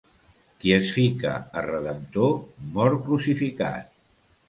Qui es fica a redemptor, mor crucificat.